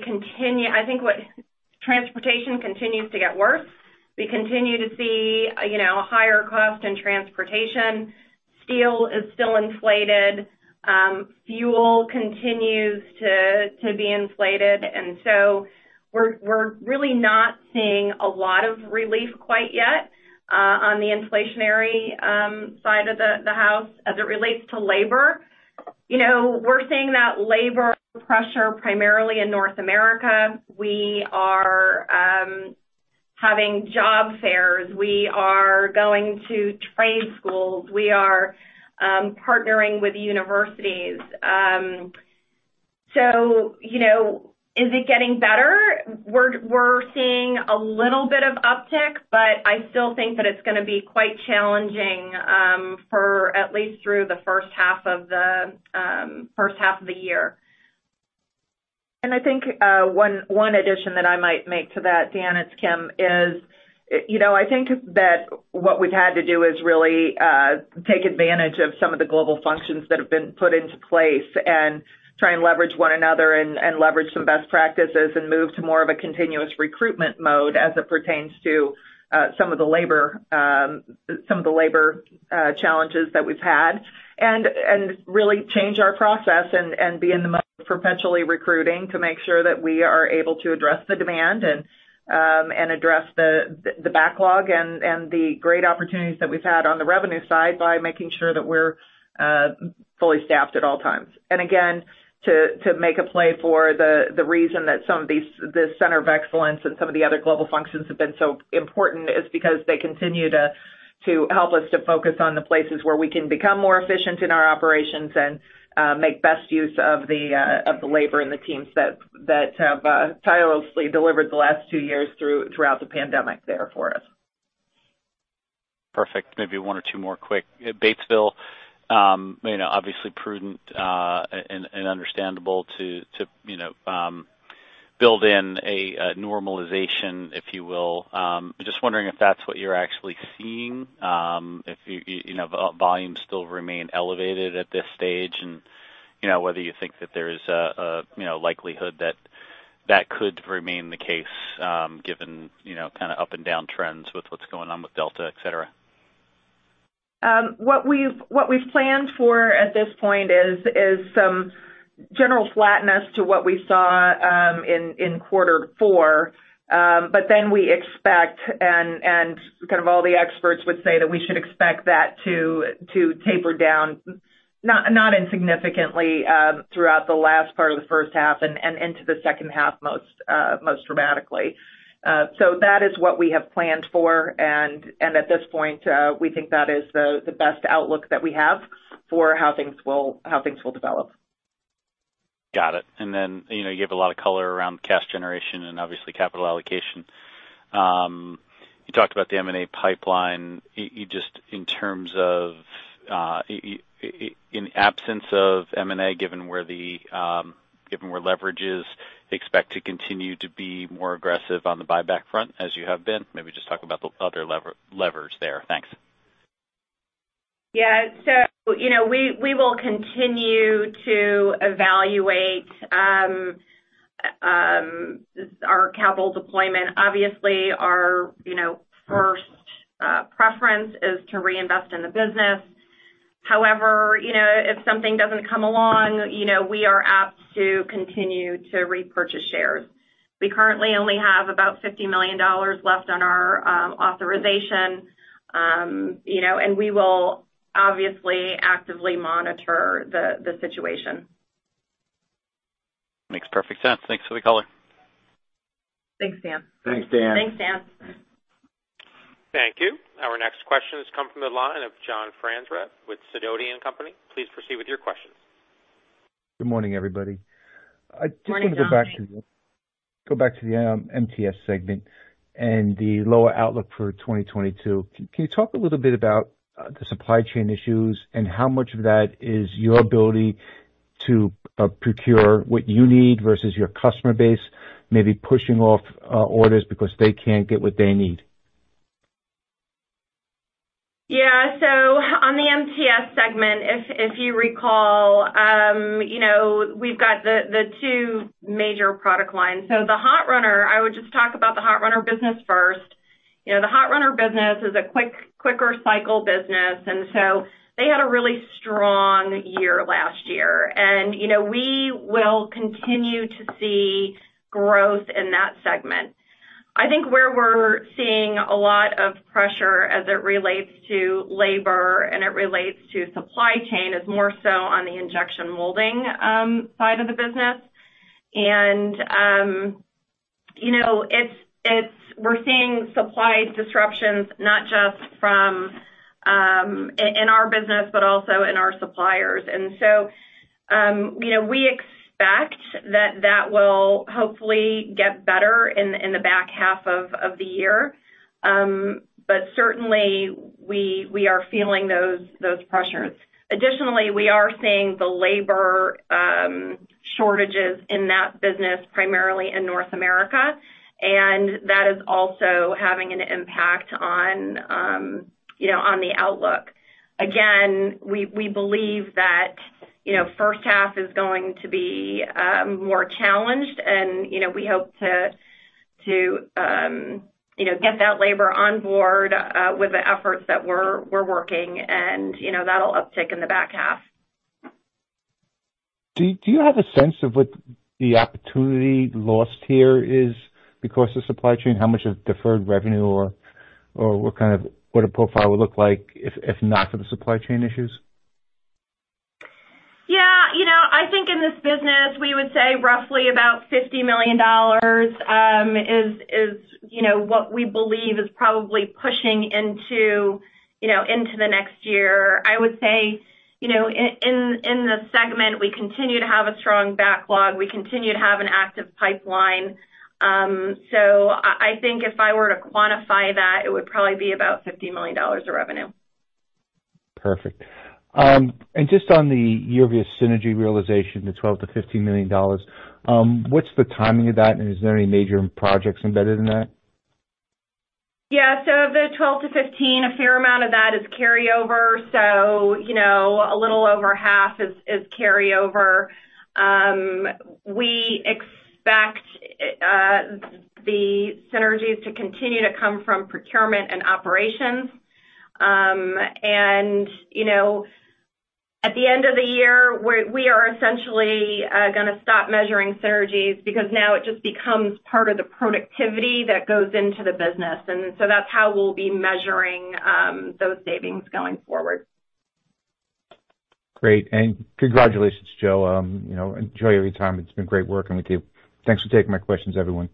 transportation continues to get worse. We continue to see, you know, higher cost in transportation. Steel is still inflated. Fuel continues to be inflated. We're really not seeing a lot of relief quite yet on the inflationary side of the house as it relates to labor. You know, we're seeing that labor pressure primarily in North America. We are having job fairs. We are going to trade schools. We are partnering with universities. You know, is it getting better? We're seeing a little bit of uptick, but I still think that it's gonna be quite challenging for at least through the first half of the year. I think one addition that I might make to that, Dan, it's Kim, is, you know, I think that what we've had to do is really take advantage of some of the global functions that have been put into place and try and leverage one another and leverage some best practices and move to more of a continuous recruitment mode as it pertains to some of the labor challenges that we've had. Really change our process and be in the mode of perpetually recruiting to make sure that we are able to address the demand and address the backlog and the great opportunities that we've had on the revenue side by making sure that we're fully staffed at all times. Again, to make a play for the reason that some of these, the center of excellence and some of the other global functions have been so important is because they continue to help us to focus on the places where we can become more efficient in our operations and make best use of the labor and the teams that have tirelessly delivered the last two years throughout the pandemic there for us. Perfect. Maybe one or two more quick. Batesville, you know, obviously prudent, and understandable to, you know, build in a normalization, if you will. Just wondering if that's what you're actually seeing, if you know, volumes still remain elevated at this stage, and, you know, whether you think that there's a likelihood that that could remain the case, given, you know, kind of up and down trends with what's going on with Delta, et cetera. What we've planned for at this point is some general flatness to what we saw in quarter four. Then we expect and kind of all the experts would say that we should expect that to taper down, not insignificantly, throughout the last part of the first half and into the second half most dramatically. That is what we have planned for. At this point, we think that is the best outlook that we have for how things will develop. Got it. Then, you know, you gave a lot of color around cash generation and obviously capital allocation. You talked about the M&A pipeline. You just in terms of, in absence of M&A, given where leverage is, expect to continue to be more aggressive on the buyback front as you have been, maybe just talk about the other levers there. Thanks. Yeah. You know, we will continue to evaluate our capital deployment. Obviously, our you know, first preference is to reinvest in the business. However, you know, if something doesn't come along, you know, we are apt to continue to repurchase shares. We currently only have about $50 million left on our authorization, you know, and we will obviously actively monitor the situation. Makes perfect sense. Thanks for the color. Thanks, Dan. Thanks, Dan. Thanks, Dan. Thank you. Our next question has come from the line of John Franzreb with Sidoti & Company. Please proceed with your questions. Good morning, everybody. Good morning, John. I just want to go back to the MTS segment and the lower outlook for 2022. Can you talk a little bit about the supply chain issues and how much of that is your ability to procure what you need versus your customer base, maybe pushing off orders because they can't get what they need? Yeah. On the MTS segment, if you recall, you know, we've got the two major product lines. The hot runners, I would just talk about the hot runners business first. You know, the hot runners business is a quicker cycle business, and so they had a really strong year last year. You know, we will continue to see growth in that segment. I think where we're seeing a lot of pressure as it relates to labor and it relates to supply chain is more so on the injection molding side of the business. You know, it's. We're seeing supply disruptions, not just from in our business, but also in our suppliers. You know, we expect that will hopefully get better in the back half of the year. Certainly we are feeling those pressures. Additionally, we are seeing the labor shortages in that business, primarily in North America, and that is also having an impact on you know, on the outlook. Again, we believe that You know, first half is going to be more challenged and, you know, we hope to get that labor on board with the efforts that we're working and, you know, that'll uptick in the back half. Do you have a sense of what the opportunity lost here is because of supply chain? How much of deferred revenue or what a profile would look like if not for the supply chain issues? Yeah. You know, I think in this business, we would say roughly about $50 million is you know what we believe is probably pushing into you know into the next year. I would say, you know, in in the segment, we continue to have a strong backlog. We continue to have an active pipeline. I think if I were to quantify that, it would probably be about $50 million of revenue. Perfect. Just on the year-over-year synergy realization, the $12 million-$15 million, what's the timing of that, and is there any major projects embedded in that? Yeah. The $12 million-$15 million, a fair amount of that is carryover. You know, a little over half is carryover. We expect the synergies to continue to come from procurement and operations. You know, at the end of the year, we are essentially gonna stop measuring synergies because now it just becomes part of the productivity that goes into the business. That's how we'll be measuring those savings going forward. Great. Congratulations, Joe. You know, enjoy your retirement. It's been great working with you. Thanks for taking my questions, everyone.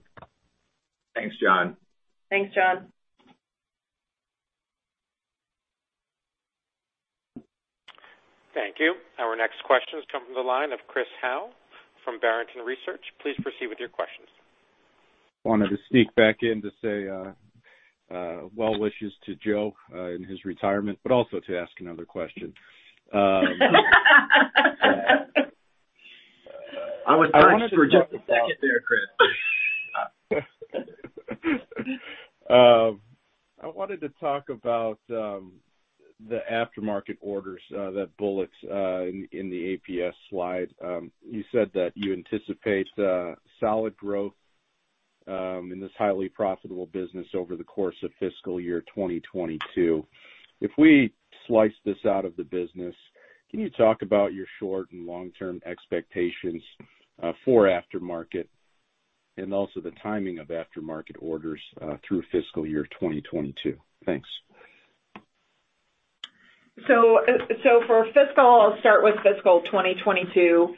Thanks, John. Thanks, John. Thank you. Our next question is coming from the line of Chris Howe from Barrington Research. Please proceed with your questions. Wanted to sneak back in to say well wishes to Joe in his retirement, but also to ask another question. I was silent for just a second there, Chris. I wanted to talk about the aftermarket orders that bullet in the APS slide. You said that you anticipate solid growth in this highly profitable business over the course of fiscal year 2022. If we slice this out of the business, can you talk about your short- and long-term expectations for aftermarket and also the timing of aftermarket orders through fiscal year 2022? Thanks. For fiscal, I'll start with fiscal 2022.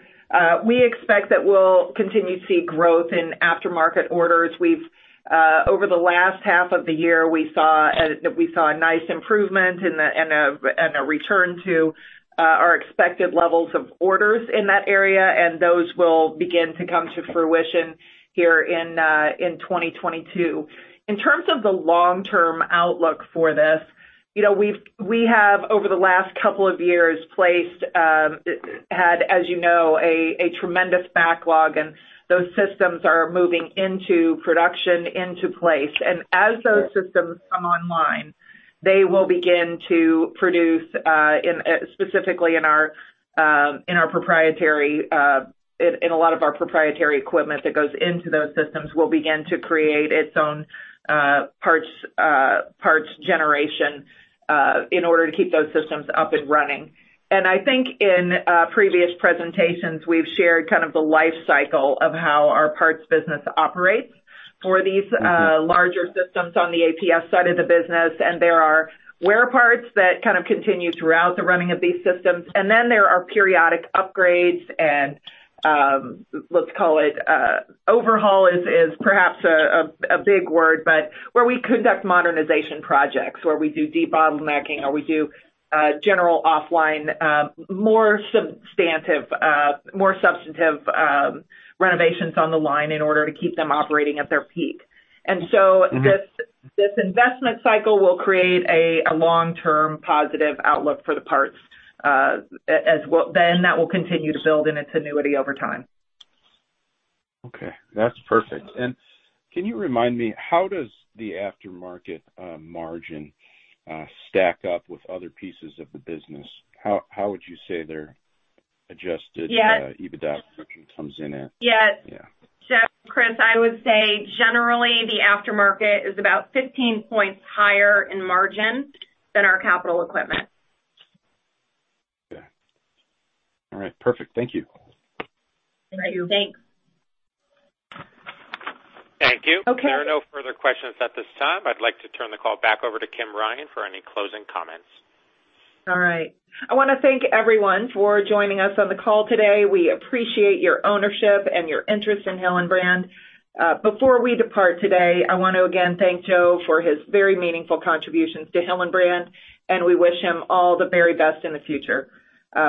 We expect that we'll continue to see growth in aftermarket orders. We've over the last half of the year, we saw a nice improvement and a return to our expected levels of orders in that area, and those will begin to come to fruition here in 2022. In terms of the long-term outlook for this, you know, we have, over the last couple of years, had, as you know, a tremendous backlog, and those systems are moving into production into place. As those systems come online, they will begin to produce, specifically in a lot of our proprietary equipment that goes into those systems will begin to create its own parts generation in order to keep those systems up and running. I think in previous presentations, we've shared kind of the life cycle of how our parts business operates for these larger systems on the APS side of the business. There are wear parts that kind of continue throughout the running of these systems. Then there are periodic upgrades and, let's call it, overhaul is perhaps a big word, but where we conduct modernization projects, where we do debottlenecking, or we do general offline more substantive renovations on the line in order to keep them operating at their peak. This investment cycle will create a long-term positive outlook for the parts, as well. That will continue to build in its annuity over time. Okay. That's perfect. Can you remind me, how does the aftermarket, margin, stack up with other pieces of the business? How would you say their adjusted. Yes. EBITDA function comes in at? Yes. Yeah. Chris, I would say generally the aftermarket is about 15 points higher in margin than our capital equipment. Okay. All right. Perfect. Thank you. All right. Thanks. Thank you. Okay. There are no further questions at this time. I'd like to turn the call back over to Kim Ryan for any closing comments. All right. I wanna thank everyone for joining us on the call today. We appreciate your ownership and your interest in Hillenbrand. Before we depart today, I want to again thank Joe for his very meaningful contributions to Hillenbrand, and we wish him all the very best in the future.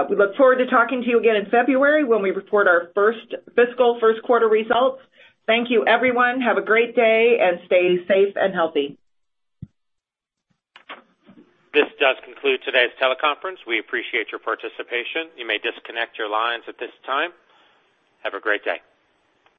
We look forward to talking to you again in February when we report our first fiscal quarter results. Thank you, everyone. Have a great day and stay safe and healthy. This does conclude today's teleconference. We appreciate your participation. You may disconnect your lines at this time. Have a great day.